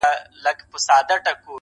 خداى دي له بدوسترگو وساته تل.